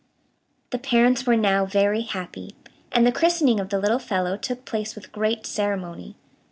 The parents were now very happy, and the christening of the little fellow took place with great ceremony.